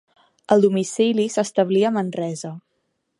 El domicili s'establí a Manresa.